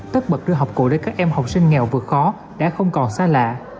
tất bật đưa học cụ đến các em học sinh nghèo vượt khó đã không còn xa lạ